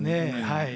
はい。